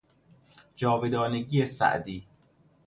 جاودانگی سعدی